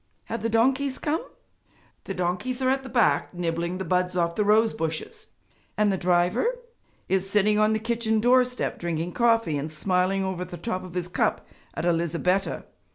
Have the donkeys come?' 'The donkeys are at the back door nibbling the buds off the rose bushes.' 'And the driver?' 'Is sitting on the kitchen doorstep drinking coffee and smiling over the top of his cup at Elizabetta.